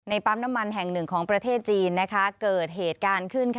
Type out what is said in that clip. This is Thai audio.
ปั๊มน้ำมันแห่งหนึ่งของประเทศจีนเกิดเหตุการณ์ขึ้น